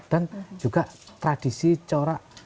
dan juga tradisi corak